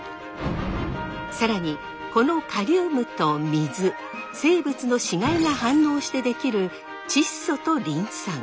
更にこのカリウムと水生物の死骸が反応して出来る窒素とリン酸。